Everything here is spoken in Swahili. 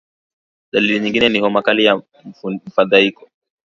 Dalili nyingine ni homa kali na mfadhaiko